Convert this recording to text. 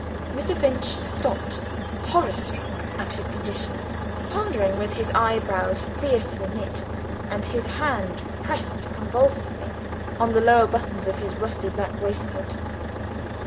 Mr. Finch stopped, horror struck at his condition; pondering with his eyebrows fiercely knit, and his hand pressed convulsively on the lower buttons of his rusty black waistcoat.